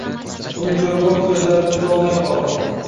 Uni ko‘riboq ko‘zlarimni uzolmay qoldim.